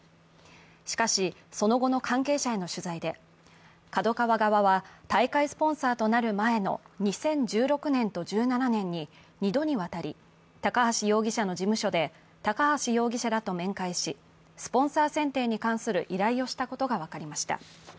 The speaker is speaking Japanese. しかし、その後の関係者への取材で、ＫＡＤＯＫＡＷＡ側は大会スポンサーとなる前の２０１６年と１７年に２度にわたり高橋容疑者の事務所で、高橋容疑者らと面会し、スポンサー選定に関する依頼をしたことが分かりました。